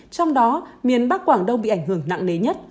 trong đó miền bắc quảng đông bị ảnh hưởng nặng nề nhất